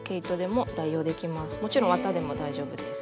もちろん綿でも大丈夫です。